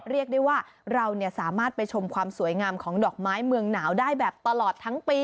เรียกได้ว่าเราสามารถไปชมความสวยงามของดอกไม้เมืองหนาวได้แบบตลอดทั้งปี